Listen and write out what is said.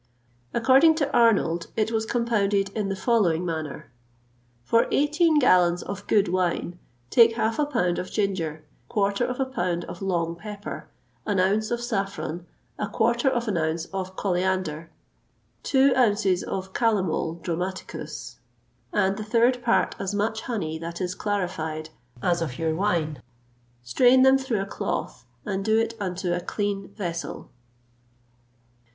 According to Arnold[XXVIII 173] it was compounded in the following manner: "For eighteen gallons of good wyne, take halfe a pounde of ginger, quarter of a pound of long peper, an ounce of safron, a quarter of an ounce of coliaundyr, two ounces of calomole dromatycus, and the third part as much honey that is clarifyed as of youre wyne, streyne them through a cloth, and do it into a clene vessell."